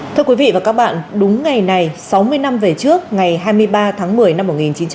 thưa quý vị và các bạn đúng ngày này sáu mươi năm về trước ngày hai mươi ba tháng một mươi năm một nghìn chín trăm bảy mươi